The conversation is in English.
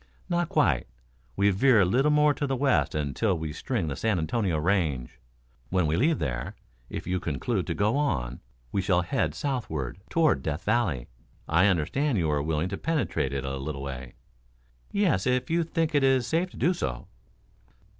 "Not quite. We veer a little more to the west, until we string the San Antonio Range. When we leave there, if you conclude to go on, we shall head southward toward Death Valley. I understand you are willing to penetrate it a little way." "Yes, if you think it is safe to do so."